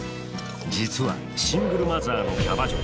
実はシングルマザーのキャバ嬢。